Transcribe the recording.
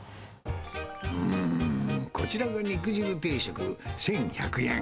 うーん、こちらが肉じる定食１１００円。